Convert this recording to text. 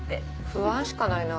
不安しかないな